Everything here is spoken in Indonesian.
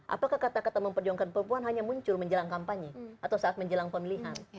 apakah kata kata memperjuangkan perempuan hanya muncul menjelang kampanye atau saat menjelang pemilihan